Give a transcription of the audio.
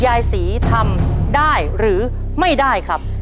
ยายศรีทำได้หรือไม่ได้ครับ